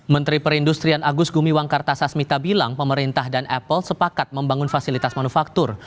menteri perindustrian agus gumiwang kartasasmita bilang pemerintah dan apple sepakat membangun fasilitas manufaktur